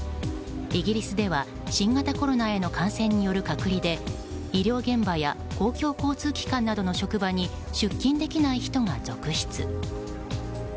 イギリスでは新型コロナへの感染による隔離で医療現場や公共交通機関などの職場に出勤できない人が続出。